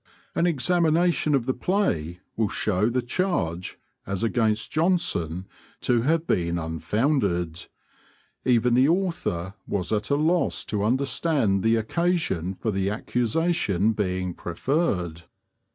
An examination of the play will show the charge, as against Jonson, to have been unfounded; even the author was at a loss to understand the occasion for the accusation being preferred.